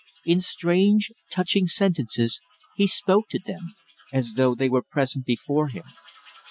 In strange, touching sentences he spoke to them, as though they were present before him.